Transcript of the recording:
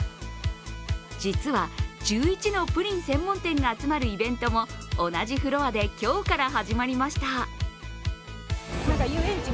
実は１１のプリン専門店が集まるイベントも同じフロアで今日から始まりました。